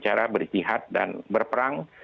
cara berjihad dan berperang